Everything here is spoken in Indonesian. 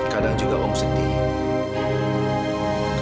kadang juga om sedih